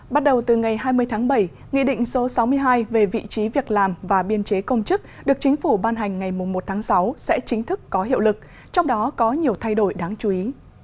bắt đầu từ ngày hai mươi tháng bảy nghị định số sáu mươi hai về vị trí việc làm và biên chế công chức được chính phủ ban hành ngày một tháng sáu sẽ chính thức có hiệu lực trong đó có nhiều thay đổi đáng chú ý